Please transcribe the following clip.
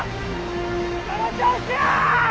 その調子や！